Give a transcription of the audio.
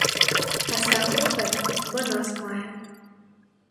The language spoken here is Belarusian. Пасаг нюхае, бо нос мае.